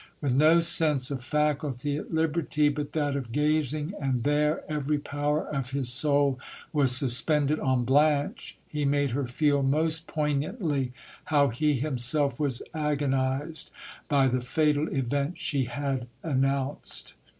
With no sense or faculty at liberty but that of gazing, and there every power of his soul was suspended on Blanche, he made her feel most poignantly how he himself was agonized by the fatal event she had an nounced.